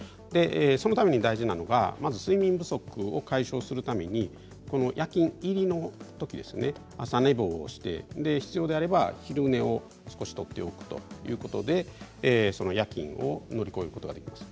そのために大事なのは睡眠不足を解消するために夜勤に入るとき朝寝坊して必要であれば昼寝もしておくそのことで夜勤を乗り越えることができます。